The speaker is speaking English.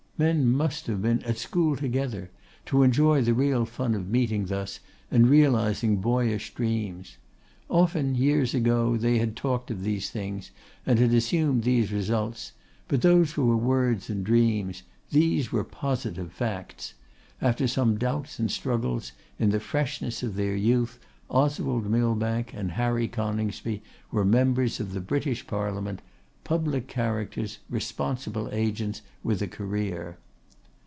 Men must have been at school together, to enjoy the real fun of meeting thus, and realising boyish dreams. Often, years ago, they had talked of these things, and assumed these results; but those were words and dreams, these were positive facts; after some doubts and struggles, in the freshness of their youth, Oswald Millbank and Harry Coningsby were members of the British Parliament; public characters, responsible agents, with a career.